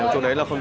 lấy xe lái xem